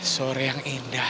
suara yang indah